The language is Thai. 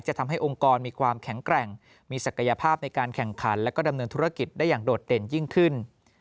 จะทำให้องค์กรมีความแข็งแกร่งมีศักยภาพในการแข่งขันและก็ดำเนินธุรกิจได้อย่างโดดเด่นยิ่งขึ้น